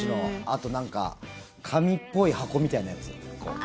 あと、なんか紙っぽい箱みたいなやつ。